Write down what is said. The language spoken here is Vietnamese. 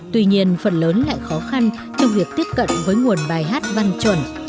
tuy nhiên phần lớn lại khó khăn trong việc tiếp cận với nguồn bài hát văn chuẩn